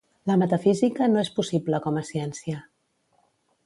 La metafísica no és possible com a ciència.